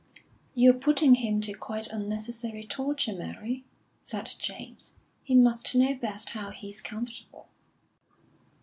"You're putting him to quite unnecessary torture, Mary," said James. "He must know best how he's comfortable."